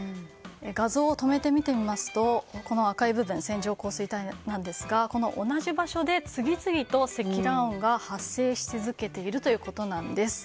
画像を止めて見てみますと赤い部分が線状降水帯なんですがこの同じ場所で次々と積乱雲が発生し続けているということです。